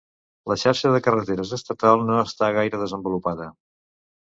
La xarxa de carreteres estatal no està gaire desenvolupada.